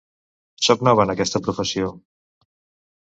Sóc nova en aquesta professió.